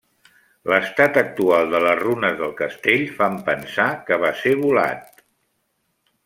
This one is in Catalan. L'estat actual de les runes del castell fan pensar que va ser volat.